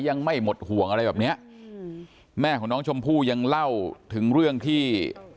ยังไม่หมดห่วงอะไรแบบเนี้ยอืมแม่ของน้องชมพู่ยังเล่าถึงเรื่องที่